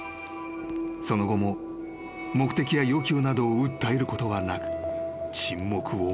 ［その後も目的や要求などを訴えることはなく］